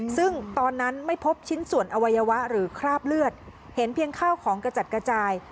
ซึ่งตอนนั้นไม่พบชิ้นส่วนอวัยวะหรือคราบเลือดเห็นเพียงข้าวของกระจัดกระจาย